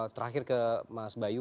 terakhir ke mas bayu